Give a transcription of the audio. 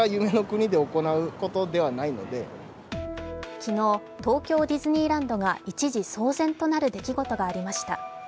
昨日、東京ディズニーランドが一時騒然となる出来事がありました。